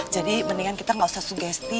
jadi mendingan kita nggak usah sugesti